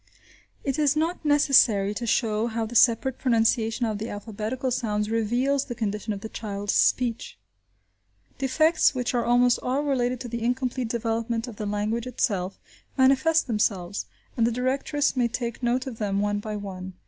It is not necessary to show how the separate pronunciation of the alphabetical sounds reveals the condition of the child's speech. Defects, which are almost all related to the incomplete development of the language itself, manifest themselves, and the directress may take note of them one by one.